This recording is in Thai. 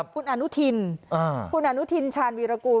คุณอนุทินคุณอนุทินชาญวีรกูล